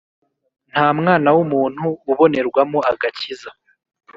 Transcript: Ntamwana wumuntu ubonerwamo agakiza